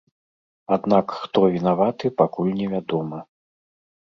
Аднак хто вінаваты, пакуль невядома.